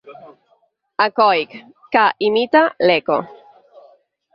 Ecoic: Que imita l'Eco.